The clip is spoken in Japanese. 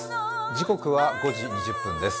時刻は５時２０分です。